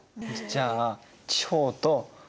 じゃあ地方と都。